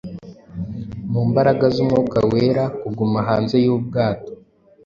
mu mbaraga z’Umwuka Wera, kuguma hanze y’ubwato!